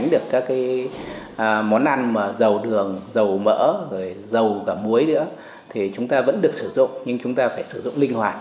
chúng ta không thể tránh được các món ăn mà dầu đường dầu mỡ dầu gà muối nữa thì chúng ta vẫn được sử dụng nhưng chúng ta phải sử dụng linh hoạt